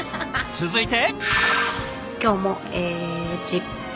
続いて？